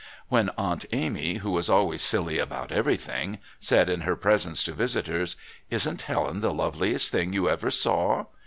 When Aunt Amy, who was always silly about everything, said in her presence to visitors, "Isn't Helen the loveliest thing you ever saw?"